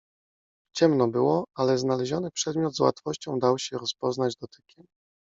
Ciemno było, ale znaleziony przedmiot z łatwością dał się rozpoznać dotykiem.